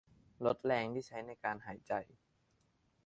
ลดแรงที่ใช้ในการหายใจ